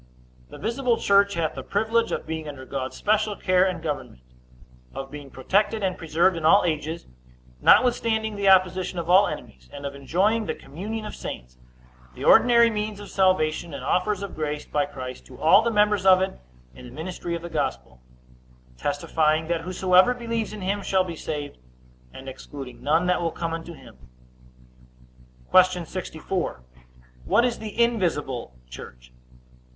The visible church hath the privilege of being under God's special care and government; of being protected and preserved in all ages, notwithstanding the opposition of all enemies; and of enjoying the communion of saints, the ordinary means of salvation, and offers of grace by Christ to all the members of it in the ministry of the gospel, testifying, that whosoever believes in him shall be saved, and excluding none that will come unto him. Q. 64. What is the invisible church?